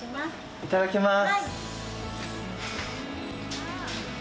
いただきます。